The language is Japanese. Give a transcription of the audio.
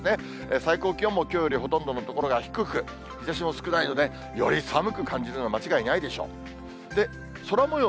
最高気温も、きょうよりほとんどの所が低く、日ざしも少ないので、より寒く感じるのは間違いないでしょう。